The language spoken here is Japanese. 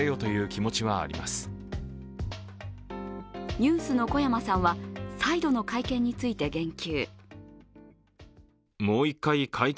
ＮＥＷＳの小山さんは、再度の会見について言及。